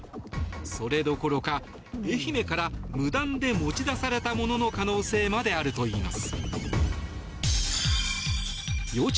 それどころか愛媛から無断で持ち出されたものの可能性まであるといいます。